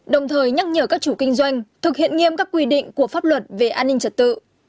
đồng thời nhắc nhở các chủ kinh doanh thực hiện nghiêm các quy định của pháp luật về an ninh trật tự